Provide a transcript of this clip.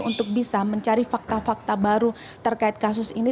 untuk bisa mencari fakta fakta baru terkait kasus ini